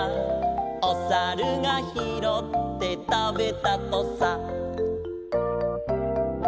「おさるがひろってたべたとさ」